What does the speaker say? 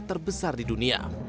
terbesar di dunia